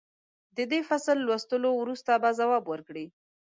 د دې فصل لوستلو وروسته به ځواب ورکړئ.